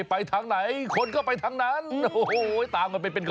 ไปทางไหนคนก็ไปทางนั้น